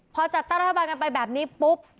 พอจัดตั้งรัฐบาลกันไปแบบนี้ปุ๊บ